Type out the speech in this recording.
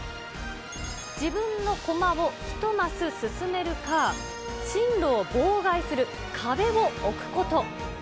自分のコマを１マス進めるか、進路を妨害する、壁を置くこと。